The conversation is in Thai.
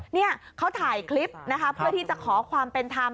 เนี่ยเขาถ่ายคลิปนะคะเพื่อที่จะขอความเป็นธรรม